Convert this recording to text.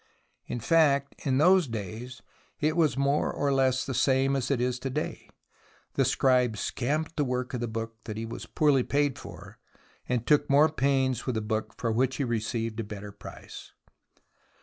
In fact, in those days, it was more or less the same as it is to day. The scribe scamped the work of the Book that he was poorly paid for, and took more pains with the Book for which he received a better price.